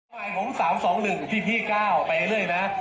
ข้อใหม่ของ๓๒๑พี่ก้าวไปเรื่อยนะ